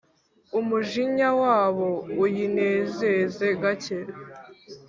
Umujinya wabo uyinezeze gake